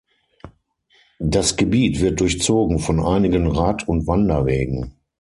Das Gebiet wird durchzogen von einigen Rad- und Wanderwegen.